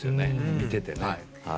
見ていて。